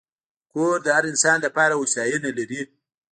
کور د هر انسان لپاره هوساینه لري.